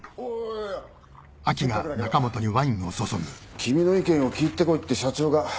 君の意見を聞いてこいって社長が。